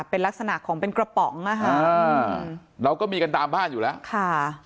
เป็นลักษณะของเป็นกระป๋องนะคะเราก็มีกันตามบ้านอยู่แล้วค่ะ